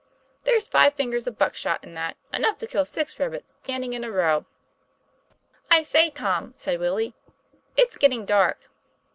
' There's five fingers of buck shot in that, enough to kill six rabbits standing in a row." "I say, Tom," said Willie, "it's getting dark!"